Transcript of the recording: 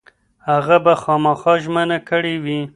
هغه به خامخا ژمنه کړې وي.